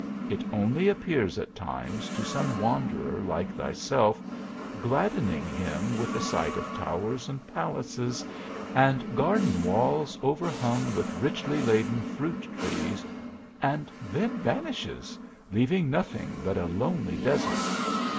It only appears at times to some wanderer like thyself, gladdening him with the sight of towers and palaces, and garden walls over hung with richly laden fruit trees, and then vanishes, leaving nothing but a lonely desert.